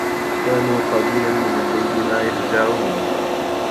كانوا قَليلًا مِنَ اللَّيلِ ما يَهجَعونَ